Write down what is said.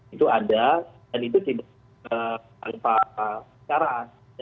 itu ada dan itu tidak tanpa syarat